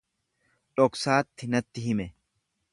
Dhoksaatti natti hime.